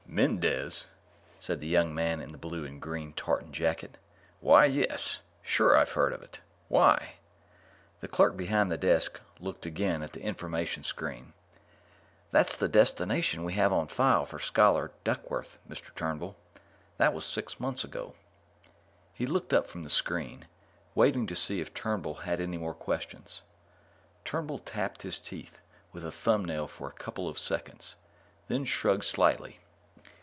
_ "Mendez?" said the young man in the blue and green tartan jacket. "Why, yes ... sure I've heard of it. Why?" The clerk behind the desk looked again at the information screen. "That's the destination we have on file for Scholar Duckworth, Mr. Turnbull. That was six months ago." He looked up from the screen, waiting to see if Turnbull had any more questions. Turnbull tapped his teeth with a thumbnail for a couple of seconds, then shrugged slightly.